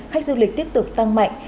khách du lịch tiếp tục tăng mạnh